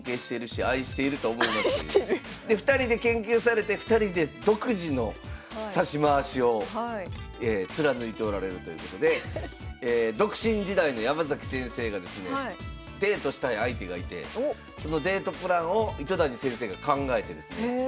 で２人で研究されて２人で独自の指し回しを貫いておられるということで独身時代の山崎先生がですねデートしたい相手がいてそのデートプランを糸谷先生が考えてですね